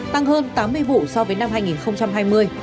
tăng hơn tám mươi vụ so với năm hai nghìn hai mươi